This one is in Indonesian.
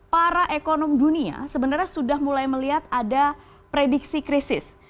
para ekonom dunia sebenarnya sudah mulai melihat ada prediksi krisis